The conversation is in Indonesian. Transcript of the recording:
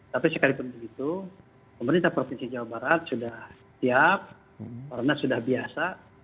tapi sekalipun begitu pemerintah provinsi jawa barat sudah siap karena sudah biasa